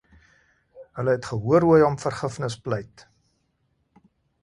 Hulle het gehoor hoe hy om vergifnis pleit.